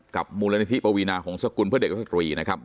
กับมูลนิธิประวีนาของสกุลเพื่อเด็กสตรีนะครับ